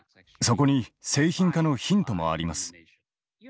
そこに製品化のヒントもあります。